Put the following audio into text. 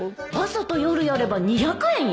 朝と夜やれば２００円よ